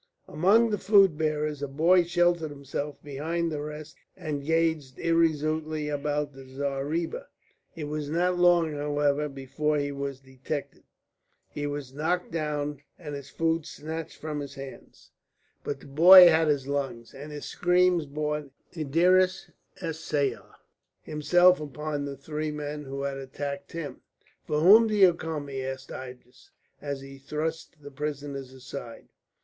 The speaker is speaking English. Among the food bearers a boy sheltered himself behind the rest and gazed irresolutely about the zareeba. It was not long, however, before he was detected. He was knocked down, and his food snatched from his hands; but the boy had his lungs, and his screams brought Idris es Saier himself upon the three men who had attacked him. "For whom do you come?" asked Idris, as he thrust the prisoners aside.